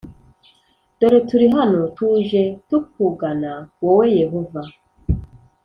Dore turi hano Tuje tukugana wowe Yehova